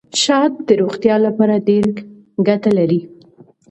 شات د روغتیا لپاره ډېره ګټه لري.